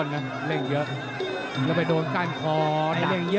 แล้วไปโดนก้านคอหนักสองส่องที